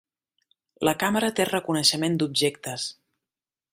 La càmera té reconeixement d'objectes.